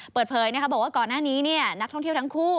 เปิดเผยบอกว่าก่อนหน้านี้นักท่องเที่ยวทั้งคู่